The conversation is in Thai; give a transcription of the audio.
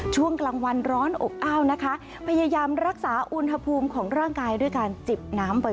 ช่วงกลางวันร้อนอบอ้าวนะคะพยายามรักษาอุณหภูมิของร่างกายด้วยการจิบน้ำบ่อย